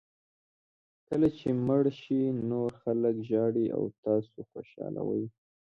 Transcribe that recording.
کله چې مړ شئ نور خلک ژاړي او تاسو خوشاله وئ.